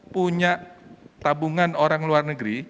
punya tabungan orang luar negeri